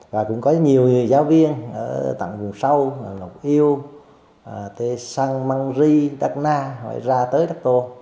và cũng có nhiều người giáo viên ở tạng vùng sâu lộc yêu tê săn măng ri đắc na ra tới đắc tô